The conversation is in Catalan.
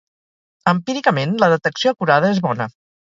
Empíricament, la detecció acurada és bona.